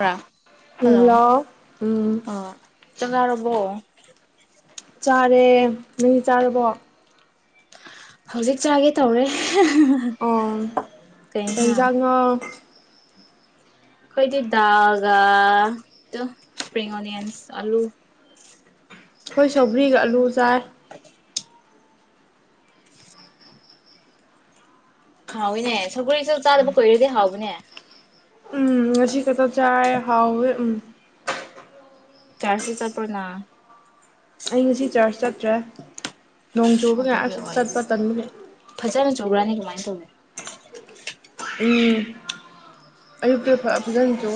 ꯔꯣ ꯎꯝ ꯍꯜꯂꯣ ꯎꯝ ꯑ ꯆꯥꯛ ꯆꯥꯔꯕꯣ [inaudible] ꯆꯥꯔꯦ ꯅꯪꯗꯤ ꯆꯥꯔꯕꯣ ꯍꯧꯖꯤꯛ ꯆꯥꯒꯦ ꯇꯧꯔꯦ ꯑꯣ ꯀꯩ ꯍꯦꯡꯖꯥꯡꯅꯣ ꯈꯣꯏꯗꯤ ꯗꯥꯜꯒ ꯑꯗꯨꯝ ꯁꯄꯔꯤꯡ ꯑꯣꯅꯤꯌꯟꯁ ꯑꯂꯨ ꯑꯩꯈꯣꯏ ꯁꯧꯒꯔꯤꯒ ꯑꯂꯨ ꯆꯥꯏ ꯍꯥꯎꯋꯤꯅꯦ ꯁꯧꯒꯔꯤꯁꯨ ꯆꯥꯗꯕ ꯀꯨꯏꯔꯗꯤ ꯍꯥꯎꯕꯅꯦ ꯎꯝ ꯉꯁꯤ ꯈꯛꯇ ꯆꯥꯔꯦ ꯍꯥꯎꯋꯦ ꯎꯝ ꯆꯥꯁꯤ ꯆꯠꯄꯔꯥ ꯅꯪ ꯑꯩ ꯉꯁꯤ ꯆꯔꯆ ꯆꯠꯇ꯭ꯔꯦ ꯅꯣꯡ ꯆꯨꯕꯒ ꯑꯗꯨꯒꯤ ꯑꯁ ꯆꯠꯄ ꯑꯣꯏꯅꯤ ꯇꯟꯕꯒꯤ ꯍ [unintelligible] ꯎꯝ ꯑꯌꯨꯛꯇꯤ ꯐ ꯐꯖ ꯆꯨ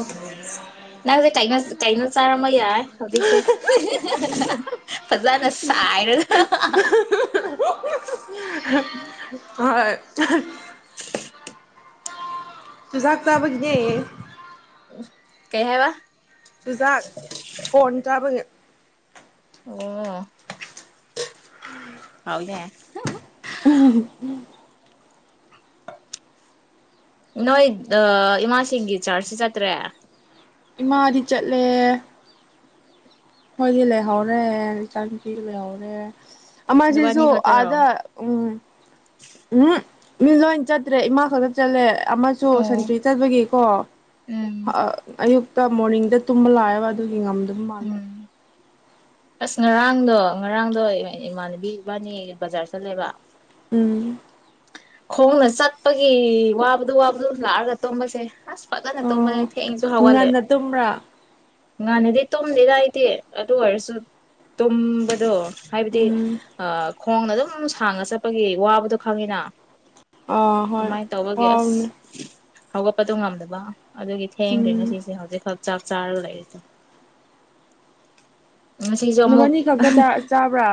ꯅꯪꯁꯂ ꯀꯥꯩꯅꯣ ꯀꯩꯩꯅꯣ ꯆꯥꯔꯝꯕ ꯌꯥꯏ ꯍꯧꯖꯤꯛꯁꯦ ꯐꯖꯅ ꯁꯥꯏꯔꯒ [inaudible] ꯍꯣꯏ ꯆꯨꯖꯥꯛ ꯆꯥꯕꯒꯤꯅꯦ ꯀꯩ ꯍꯥꯏꯕ ꯆꯨꯖꯥꯛ ꯀꯣꯔꯟ ꯆꯥꯕꯒꯤ ꯑꯣ ꯍꯥꯎꯋꯤꯅꯦ ꯎꯝ ꯅꯣꯏ ꯏꯃꯥꯁꯤꯡꯒꯤ ꯆꯥꯔꯖꯁꯤ ꯆꯠꯇ꯭ꯔꯦ ꯏꯃꯥꯗꯤ ꯆꯠꯂꯦ ꯃꯣꯏꯗꯤ ꯂꯩꯍꯧꯔꯦ ꯆꯥꯟꯁꯤ ꯂꯩꯍꯧꯔꯦ ꯅꯕꯥꯅꯤ ꯑꯖꯤꯁꯨ ꯈꯛꯇꯔꯣ ꯑꯗ ꯎꯝ ꯎꯝ ꯃꯤ ꯂꯣꯏꯅ ꯆꯠꯇ꯭ꯔꯦ ꯏꯃꯥ ꯈꯛꯇ ꯆꯠꯂꯦ ꯑꯃꯁꯨ ꯑꯣ ꯁꯟꯇ꯭ꯔꯤ ꯆꯠꯕꯒꯤꯀꯣ ꯎꯝ ꯑꯌꯨꯛ ꯃꯣꯔꯅꯤꯡꯗ ꯇꯨꯝꯕ ꯂꯥꯛꯑꯦꯕ ꯑꯗꯨꯒꯤ ꯉꯝꯗꯕ ꯃꯥꯜꯂꯦ ꯎꯝ ꯑꯁ ꯉꯔꯥꯡꯗꯣ ꯉꯔꯥꯡꯗꯣ ꯏꯃꯥꯟꯅꯕꯤ ꯏꯕꯥꯅꯤ ꯕꯖꯥꯔ ꯆꯠꯂꯦꯕ ꯎꯝ ꯈꯣꯡꯅ ꯆꯠꯄꯒꯤ ꯋꯥꯕꯗꯨ ꯋꯥꯕꯗ ꯂꯥꯛꯑꯒ ꯇꯨꯝꯝꯕꯁꯦ ꯍꯁ ꯄꯂ ꯅꯠꯇꯣ ꯃ ꯑꯣ ꯊꯦꯡꯁꯨ ꯍꯒ ꯂꯦ ꯉꯟꯅ ꯇꯨꯝꯕ꯭ꯔꯥ ꯉꯥꯟꯅꯗꯤ ꯇꯨꯝꯗꯦꯗꯏꯗꯤ ꯑꯗꯨ ꯑꯣꯏꯔꯁꯨ ꯇꯝꯕꯗꯨ ꯍꯥꯏꯕꯗꯤ ꯎꯝ ꯈꯣꯡꯅ ꯑꯗꯨꯝ ꯁꯥꯡꯉ ꯆꯠꯄꯒꯤ ꯋꯥꯕꯗꯣ ꯈꯪꯉꯤꯅ ꯑ ꯍꯣꯏ ꯑ ꯍꯧꯒꯄꯥ ꯇ ꯉꯝꯗꯕ ꯑꯗꯨꯒꯤ ꯊꯦꯡꯗ꯭ꯦ ꯎꯝ ꯉꯁꯤꯁꯦ ꯍꯧꯖꯤꯛꯈꯛ ꯆꯥꯛ ꯆꯥꯔ ꯂꯩꯦ ꯅꯨꯃ ꯑꯅꯤ ꯈꯛꯇ ꯆꯥꯕ꯭ꯔꯥ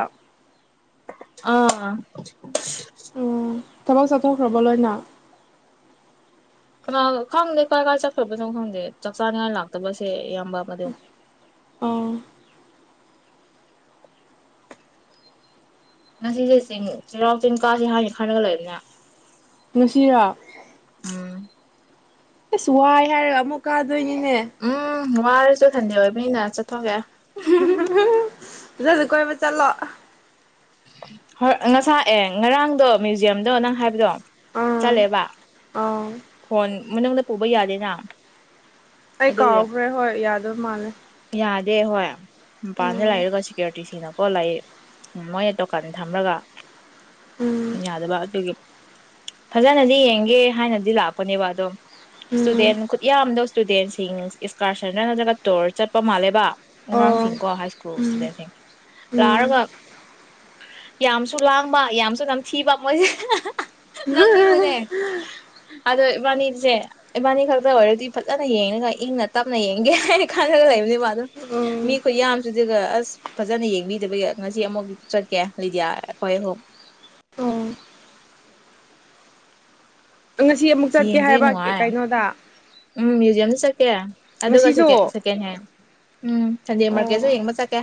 ꯑꯥ ꯎꯝ ꯊꯕꯛ ꯆꯠꯊꯣꯛꯈ꯭ꯔꯕ ꯂꯣꯏꯅ ꯀꯩꯅꯣ ꯈꯪꯗꯦ ꯀꯥꯏ ꯀꯥꯏ ꯆꯠꯈ꯭ꯔꯕꯅꯣ ꯈꯪꯗꯦ ꯆꯥꯛ ꯆꯥꯅꯤꯡꯉꯥꯏ ꯂꯥꯛꯇꯕꯁꯦ ꯌꯥꯝ ꯑꯣ ꯉꯁꯤꯁꯦ ꯆꯤꯡ ꯆꯩꯔꯥꯎ ꯆꯤꯡ ꯀꯥꯁꯦ ꯍꯥꯟꯅꯅꯤ ꯈꯔꯒ ꯂꯩꯛꯕꯅ ꯅꯨꯡꯁꯤꯔ ꯑꯦ ꯆꯋꯥ ꯏ ꯍꯥꯏꯔ ꯑꯃꯃꯨꯀꯥ ꯂꯣꯏꯅꯤꯅꯦ ꯎꯝ ꯋꯥꯔꯁꯨ ꯊꯟꯗꯤꯦ ꯑꯣꯏꯕꯅꯤꯅ ꯆꯠꯊꯣꯛꯒꯦ ꯑꯗꯨꯁꯨ ꯀꯣꯏꯕ ꯆꯠꯂꯣ ꯍ ꯉꯁꯥꯛ ꯑꯦ ꯉꯔꯥꯡꯗꯣ ꯃ꯭ꯌꯨꯖꯤꯌꯝꯗꯣ ꯅꯪ ꯍꯥꯏꯕꯗꯣ ꯑꯥ ꯆꯂꯦꯕ ꯑꯥ ꯐꯣꯟ ꯃꯅꯨꯡꯗ ꯄꯨꯕ ꯌꯥꯗꯦꯅ ꯑꯩ ꯑꯗꯨꯒꯤ ꯀꯥꯎꯈ꯭ꯔꯦ ꯍꯣꯏ ꯌꯥꯗꯣꯏ ꯃꯥꯜꯂꯦ ꯗꯦ ꯍ ꯄꯥꯥꯟ ꯎꯝ ꯂꯥꯏꯔꯒꯁꯤ ꯀ꯭ꯔ ꯑꯣꯣ ꯂꯥꯛ ꯎ ꯃꯣꯏꯅ ꯗꯨꯀꯥꯟ ꯊꯝꯃꯒ ꯎꯝ ꯗꯕ ꯑꯗꯨ ꯐꯖꯅꯗꯤ ꯌꯦꯡꯒꯦ ꯍꯥꯏꯅꯗꯤ ꯂꯥꯛꯄ ꯀꯅꯤꯋꯥꯗꯣ ꯎꯝ ꯁꯨꯗꯦꯟ ꯈꯨꯠ ꯌꯥꯝꯗꯣ ꯏꯁꯇꯨꯗꯦꯟꯁꯤꯡ ꯏꯁꯀꯥꯔꯁꯟꯗ ꯅꯠꯇ꯭ꯔꯒ ꯇꯣꯔ ꯆꯠꯄ ꯃꯥꯜꯂꯦꯕ ꯑꯣ ꯑꯉꯥꯡꯁꯤꯡꯀꯣ ꯍꯥꯏ ꯁ꯭ꯀꯨꯜ ꯎꯝ ꯏꯁꯇꯨꯗꯦꯟꯁꯤꯡ ꯎꯝ ꯂꯥꯛꯔꯒ ꯌꯥꯝꯁꯨ ꯂꯥꯡꯕ ꯌꯥꯝꯁꯨ ꯅꯝꯊꯤꯕ ꯃꯣꯏꯁꯦ ꯅꯪꯅꯤꯡꯕꯅꯦ ꯑꯗꯣ ꯏꯕꯥꯅꯤꯁꯦ ꯏꯕꯥꯅꯤ ꯈꯛꯇ ꯑꯣꯏꯔꯗꯤ ꯐꯖꯅ ꯌꯦꯡꯉꯒ ꯏꯪꯅ ꯇꯞꯅ ꯌꯦꯡꯒꯦ ꯍꯥꯏꯅ ꯈꯥꯟꯅꯒ ꯂꯩꯕꯅꯦꯕ ꯑꯗꯨꯣ ꯎꯝ ꯃꯤ ꯈꯨꯠ ꯌꯥꯝꯁꯨꯗꯨꯒ ꯑꯁ ꯐꯖꯅ ꯌꯦꯡꯕꯤꯗꯕꯒꯤ ꯉꯁꯤ ꯑꯃꯨꯛ ꯆꯠꯀꯦ ꯂꯤꯗꯤꯌꯥ ꯑꯩꯈꯣꯏꯍꯨꯝ ꯑꯣ ꯉꯁꯤ ꯑꯃꯨꯛ ꯆꯠꯀꯦ ꯌꯦꯡꯕꯗꯤ ꯍꯥꯏꯕ ꯀꯩꯅꯣꯗ ꯖꯃꯤ ꯁꯀꯦ ꯑꯗꯨ ꯋꯥ ꯁꯦ ꯉꯁꯤꯁꯨ ꯁꯦꯀꯦꯟ ꯍ ꯎꯝ ꯁꯟꯗꯦ ꯑꯣ ꯃꯥꯔꯀꯦꯠꯁꯨ ꯎꯝ ꯌꯦꯡꯕ ꯆꯠꯀꯦ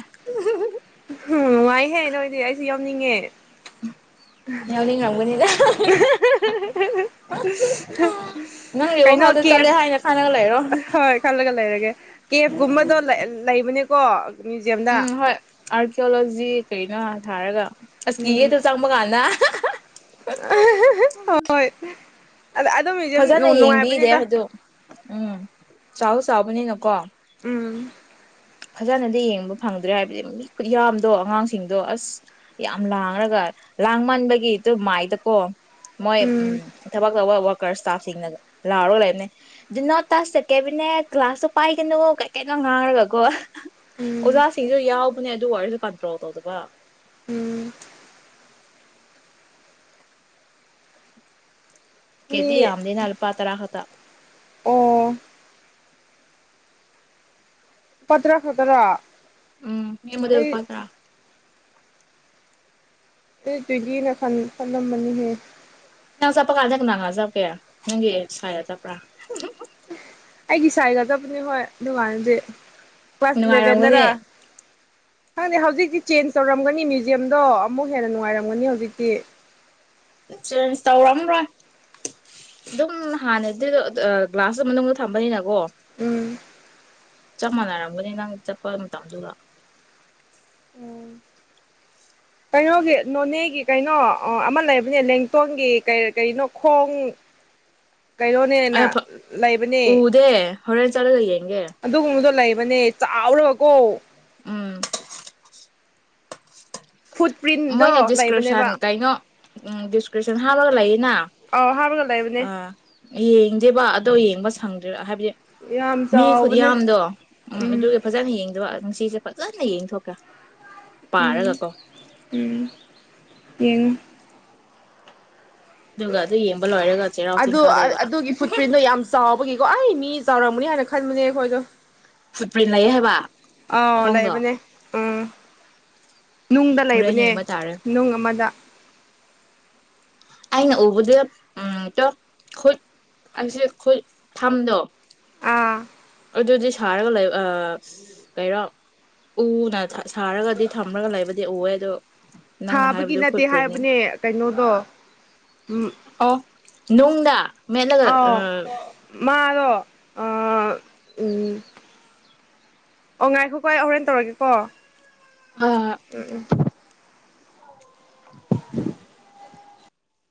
ꯅꯤꯡꯉꯦ ꯌꯥꯎꯅꯤꯡꯉꯝꯒꯅꯤꯗ ꯅꯪꯒꯤ ꯀꯩꯅꯣ ꯋꯥꯈꯜꯗ ꯀꯦꯞ ꯆꯠꯂꯦ ꯍꯥꯏꯅ ꯈꯅꯒ ꯂꯩꯔꯣ ꯀꯦꯐꯒꯨꯝꯕꯗꯣ ꯂꯩꯕꯅꯦ ꯀꯨ ꯎꯝ ꯍ ꯑꯔꯀꯤꯌꯑꯣꯂꯣꯖꯤ ꯁꯤ ꯀꯩꯅꯣ ꯊꯥꯔꯒ ꯑꯁꯀꯤꯌꯦ ꯑꯗꯨ ꯆꯪꯕ ꯀꯥꯟꯅ ꯍꯣꯏ ꯑꯗ ꯑꯗꯨꯝ ꯃꯁꯝ ꯐꯖꯅ ꯌꯦꯡꯕꯤꯗꯦ ꯅꯨꯡꯉꯥꯏꯕꯅꯦꯗ ꯑꯗꯨ ꯎꯝ ꯆꯥꯎꯥꯛ ꯆꯥꯎꯕꯅꯤꯅꯀꯣ ꯎꯝ ꯐꯖꯅꯗꯤ ꯌꯦꯡꯕ ꯐꯪꯗ꯭ꯔꯦ ꯍꯥꯏꯕꯗꯤ ꯃꯤ ꯈꯨꯠꯌꯥꯝꯗꯣ ꯑꯉꯥꯡꯁꯤꯡꯗꯣ ꯑꯁ ꯌꯥꯝ ꯂꯥꯡꯔꯒ ꯂꯥꯡꯃꯟꯕꯒꯤꯗꯨ ꯃꯥꯏꯗꯀꯣ ꯃꯣꯏ ꯎꯝ ꯊꯥꯕꯥꯛ ꯇꯧꯕꯥ ꯔ ꯏꯁꯇꯥꯐꯁꯤꯡꯅꯒ ꯂꯥꯎꯔꯣ ꯂꯩꯕꯅꯦ ꯑꯗꯨ ꯅꯣꯠ ꯇꯥꯁ ꯆꯠꯀꯦꯕꯅꯦ ꯀ꯭ꯂꯥꯁꯇꯣ ꯄꯥꯏꯒꯅꯨ ꯀꯩ ꯀꯩꯅꯣ ꯉꯥꯡꯔꯒꯀꯣ ꯎꯝ ꯑꯣꯖꯥꯁꯤꯁꯨ ꯌꯥꯎ ꯍꯅꯦ ꯑꯗꯨ ꯋꯥꯔꯤꯁꯨ ꯀꯟꯇ꯭ꯔꯣ ꯇꯧꯗꯕ ꯎꯝ ꯃꯤ ꯀꯦꯗꯤ ꯌꯥꯝꯝꯗꯤ ꯅ ꯄꯥꯇ꯭ꯔꯥꯊ ꯑꯣ ꯄꯇ꯭ꯔꯥ ꯐꯇ꯭ꯔꯥ ꯎꯝ ꯃꯤ ꯃꯗꯜ ꯄꯥꯠꯇ꯭ꯔꯥ ꯑꯦ ꯇꯨꯒꯤꯅ ꯈꯟ ꯈꯜꯂꯝꯕꯅꯤꯍꯦ ꯅꯪ ꯆꯠꯄ ꯀꯥꯟꯗ ꯀꯅꯅꯥ ꯆꯠꯀꯦ ꯅꯪꯒꯤ ꯁꯥꯢꯒ ꯆꯠꯄ꯭ꯔꯥ ꯑꯩꯒꯤ ꯁꯥꯏꯒ ꯆꯠꯄꯅ‌ꯦ ꯍꯣꯏ ꯑꯗꯨꯉꯥꯟꯗꯗꯤ ꯐꯁ ꯦꯚꯦꯟꯗ꯭ꯔ ꯅꯨꯡꯉꯥꯏꯔꯝꯒꯅꯤ [inaudible] ꯈꯪꯗꯦ ꯍꯧꯖꯤꯛꯇꯤ ꯆꯦꯟꯖ ꯇꯧꯔꯝꯒꯅꯤ ꯃ꯭ꯌꯨꯖꯤꯌꯝꯗꯣ ꯑꯃꯨꯛ ꯍꯦꯟꯅ ꯅꯨꯡꯉꯥꯏꯔꯝꯒꯅꯤ ꯍꯧꯖꯤꯛꯇꯤ ꯆꯦꯟꯖ ꯇꯧꯔꯝ꯭ꯔꯣꯏ ꯑꯗꯨꯝ ꯍꯥꯟꯅꯗꯤ ꯒ꯭ꯂꯥꯁ ꯃꯅꯨꯡꯗ ꯊꯝꯕꯅꯤꯅꯀꯣ ꯎꯝ ꯆꯞ ꯃꯥꯟꯅꯔꯝꯒꯅꯤ ꯅꯪ ꯆꯠꯄ ꯃꯇꯝꯗꯨꯗ ꯀꯩꯅꯣꯒꯤ ꯅꯣꯅꯦꯒꯤ ꯀꯩꯅꯣ ꯑꯃ ꯂꯩꯕꯅꯦ ꯂꯦꯡꯇꯣꯟꯒꯤ ꯀꯩ ꯀꯩꯅꯣ ꯈꯣꯡ ꯀꯩꯅꯣꯅꯦꯅ ꯑꯩ ꯂꯩꯕꯅꯦ ꯎꯗꯦ ꯍꯣꯔꯦꯟ ꯆꯠꯂꯒ ꯌꯦꯡꯒꯦ ꯑꯗꯨꯒꯨꯝꯕꯗꯣ ꯂꯩꯕ ꯃ ꯆꯥꯎꯔ ꯀꯣ ꯎꯝ ꯐꯨꯠ ꯄ꯭ꯔꯤꯟꯗꯣ ꯃꯣꯏꯅ ꯗꯤꯁꯀ꯭ꯔꯤꯞꯁꯟ ꯂꯩꯕꯅꯦꯕ ꯀꯩꯅꯣꯗꯤꯁꯀ꯭ꯔꯤꯟ ꯑꯗꯨ ꯍ ꯍꯥꯕꯒ ꯂ ꯂꯩ ꯑ ꯑꯥꯎ ꯍꯥꯞꯔꯒ ꯂꯩꯕꯅꯦ ꯌꯦꯡꯖꯦꯕ ꯗꯣ ꯌꯦꯡꯕ ꯁꯪꯗ꯭ꯦꯥ ꯍꯥꯏꯕꯗꯤ ꯌꯥꯝ ꯃꯤ ꯆꯥꯎꯕꯅꯦ ꯈꯨꯗꯤꯌꯥꯝꯗꯣ ꯎꯝ ꯑꯗꯨꯒꯤ ꯐꯖꯅ ꯌꯦꯡꯗꯕ ꯅꯨꯡꯁꯤꯁꯦ ꯐꯖꯅ ꯌꯦꯡꯊꯣꯛꯀꯦ ꯎꯝ ꯄꯥꯔꯒꯀꯣ ꯎꯝ ꯌꯦꯟ ꯑꯗꯨꯒ ꯑꯗꯨ ꯌꯦꯡꯕ ꯂꯣꯏꯔꯒ ꯆꯩꯔꯥꯎ ꯆꯤꯡ ꯑꯗꯨ ꯀꯥꯗꯣꯏꯕ ꯑꯗꯨꯒꯤ ꯐꯨꯠꯄ꯭ꯔꯤꯟꯗꯣ ꯌꯥꯝ ꯆꯥꯎꯕꯒꯤꯀꯣ ꯑꯩ ꯃꯤ ꯃꯤ ꯆꯧꯔ ꯑꯃꯅꯤ ꯍꯥꯏꯅ ꯈꯃꯤꯅꯦꯈꯣꯏꯗ ꯐꯨꯠꯄ꯭ꯔꯤꯟ ꯂꯩꯌꯦ ꯍꯥꯏꯕ ꯑꯥꯎ ꯈꯣꯡꯗꯣ ꯂꯩꯕꯅꯦ ꯎꯝ ꯅꯨꯡꯗ ꯍꯣꯔꯦꯟ ꯂꯩꯕꯅꯦ ꯌꯦꯡꯕ ꯇꯥꯔꯦ ꯅꯨꯡ ꯑꯃꯗ ꯑꯩꯅ ꯎꯕꯗꯤ ꯎꯝ ꯈꯨꯠ ꯑꯩꯁꯦ ꯈꯨꯠ ꯊꯝꯗꯣ ꯑꯥ ꯑꯗꯨꯗꯤ ꯁꯥꯔꯒ ꯂꯩ ꯀꯩꯔꯣ ꯎꯅ ꯁꯥꯔꯒꯗꯤ ꯊꯝꯃꯒ ꯂꯩꯕꯗꯤ ꯎꯑꯦ ꯑꯗꯨꯣ ꯅꯪꯅ ꯊꯥꯕꯒꯤ ꯍꯥꯏꯕꯗꯨ ꯅꯠꯇꯦ ꯐꯨꯗ ꯄꯣꯏꯖꯅꯤꯡ ꯍꯥꯏꯕꯅꯦ ꯀꯩꯅꯣꯗꯣ ꯎꯝ ꯑꯣ ꯅꯨꯡꯗ ꯃꯦꯠꯂꯒ ꯑꯥꯎ ꯃꯥꯗꯣ ꯑꯣ ꯉꯥꯏꯈꯣꯀꯥꯏ ꯍꯣꯔꯦꯟ ꯇꯧꯔꯒꯦꯀꯣ ꯑ ꯎꯝ ꯎꯝ [inaudible]